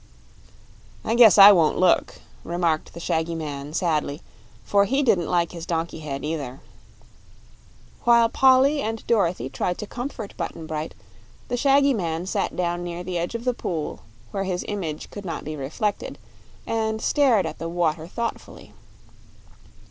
"I guess I won't look," remarked the shaggy man, sadly, for he didn't like his donkey head, either. While Polly and Dorothy tried to comfort Button Bright, the shaggy man sat down near the edge of the pool, where his image could not be reflected, and stared at the water thoughtfully.